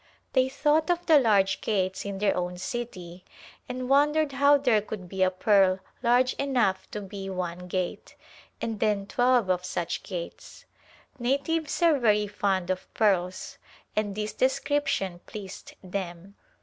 They thought of the large gates in their own city and wondered how there could be a pearl large enough to be one gate, and then twelve of such gates ! Natives are very fond of pearls and this description pleased them.